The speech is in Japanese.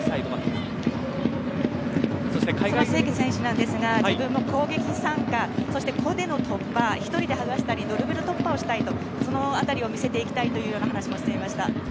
清家選手は自分の攻撃参加、そして個での突破、１人ではがしたりドリブル突破をしたいとそのあたりを見せていきたいという話をしていました。